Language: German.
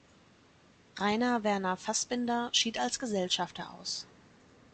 Rainer Werner Fassbinder schied als Gesellschafter aus.